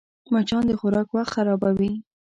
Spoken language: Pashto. مچان د خوراک وخت خرابوي